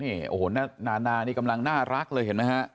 โอ้โหนานานี่กำลังน่ารักเลยเห็นไหมฮะ